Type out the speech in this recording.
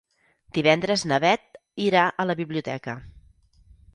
Divendres na Bet irà a la biblioteca.